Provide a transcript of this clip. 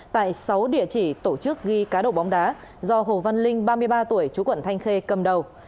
tại sáu địa chỉ tổ chức ghi cá độ bóng đá do hồ văn linh ba mươi ba tuổi chú quận thanh khê cầm đầu